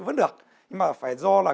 vẫn được nhưng mà phải do là